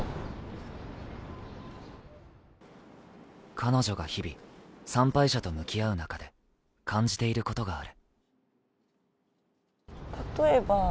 彼女が日々、参拝者と向き合う中で感じていることがある。